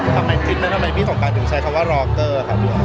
ทำไมคิดแล้วทำไมพี่ต้องการถึงใช้คำว่าล็อคเตอร์ค่ะ